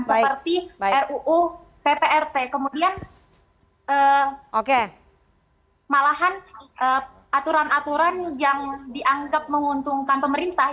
seperti ruu pprt kemudian malahan aturan aturan yang dianggap menguntungkan pemerintah